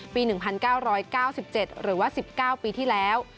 ปีหนึ่งพันเก้าร้อยเก้าสิบเจ็ดหรือว่าสิบเก้าปีที่แล้ว